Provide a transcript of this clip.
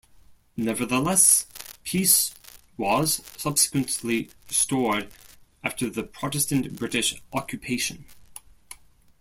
Nevertheless, peace was subsequently restored after the Protestant British occupation.